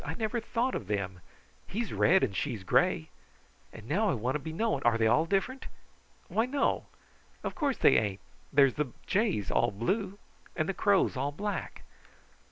I never thought of them! He's red and she's gray and now I want to be knowing, are they all different? Why no! Of course, they ain't! There's the jays all blue, and the crows all black."